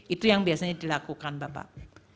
itu yang biasanya dilakukan bapak